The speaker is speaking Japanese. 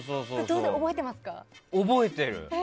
覚えてる。